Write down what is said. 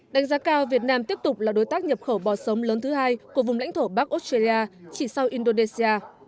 đánh giá cao việt nam tiếp tục là đối tác nhập khẩu bò sống lớn thứ hai của vùng lãnh thổ bắc australia chỉ sau indonesia